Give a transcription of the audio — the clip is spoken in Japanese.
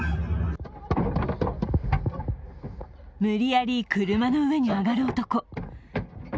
無理やり車の上に上がる男。